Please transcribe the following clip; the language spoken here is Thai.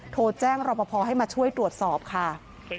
โทรแจ้งรอปภให้มาช่วยตรวจสอบค่ะ